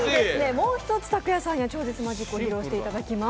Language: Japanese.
もう一つ、ＴＡＫＵＹＡさんには超絶マジックを披露していただきます。